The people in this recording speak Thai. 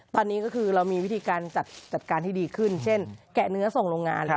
ตอนนี้ก็คือเรามีวิธีการจัดการให้ดีขึ้นเช่นแกะเนื้อส่งโรงงาน